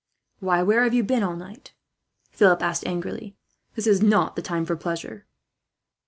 "Why, where have you been all night?" Philip asked angrily. "This is not the time for pleasure."